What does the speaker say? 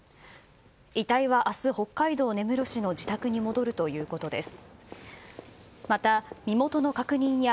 遺体は明日、北海道根室市の自宅に戻るということです。